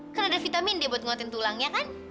kan ada vitamin dia buat nguatin tulangnya kan